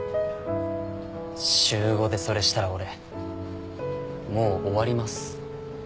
週５でそれしたら俺もう終わります。